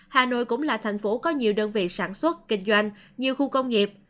hà nội cũng là thành phố có nhiều đơn vị sản xuất kinh doanh nhiều khu công nghiệp